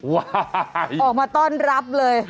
ว้าย